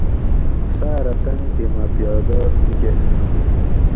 ساۤرہ تن تھی مہ پیادہ نِکس